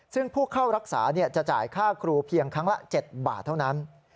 ซึ่งผู้เข้ารักษาจะจ่ายค่าครูเพียงครั้งละ๗บาทเท่านั้น